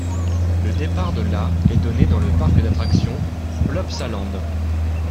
Le départ de la est donné dans le parc d'attractions Plopsaland.